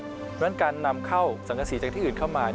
เพราะฉะนั้นการนำเข้าสังกษีจากที่อื่นเข้ามา